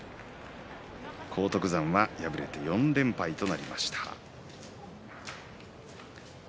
荒篤山は敗れて４連敗となりました。